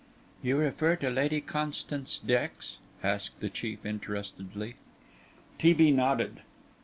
"You refer to Lady Constance Dex?" asked the chief, interestedly. T. B. nodded.